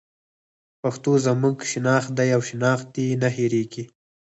پښتو زموږ شناخت دی او شناخت دې نه هېرېږي.